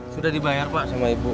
sudah dibayar pak sama ibu